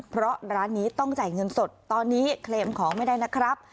เพราะร้านนี้ต้องจ่ายเงินสดตอนนี้เคลมของไม่ได้นะครับ